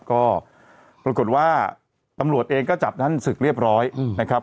ก็ปรากฏว่าตำรวจเองก็จับท่านศึกเรียบร้อยนะครับ